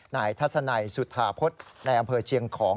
ทัศนัยสุธาพฤษในอำเภอเชียงของ